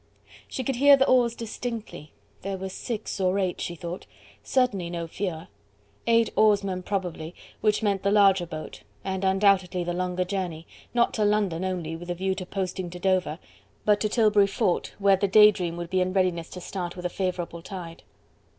She could hear the oars distinctly: there were six or eight, she thought: certainly no fewer. Eight oarsmen probably, which meant the larger boat, and undoubtedly the longer journey... not to London only with a view to posting to Dover, but to Tilbury Fort, where the "Day Dream" would be in readiness to start with a favourable tide.